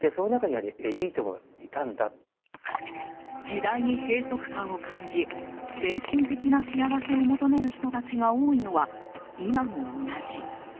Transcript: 時代に閉塞感を感じ精神的な幸せを求める人たちが多いのは今も同じ。